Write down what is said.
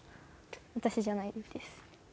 私じゃないです